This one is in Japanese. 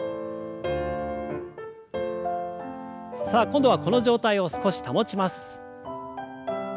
さあ今度はこの状態を少し保ちます。